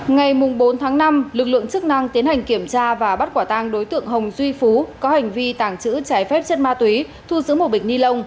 ngày bốn tháng năm lực lượng chức năng tiến hành kiểm tra và bắt quả tang đối tượng hồng duy phú có hành vi tàng trữ trái phép chất ma túy thu giữ một bịch ni lông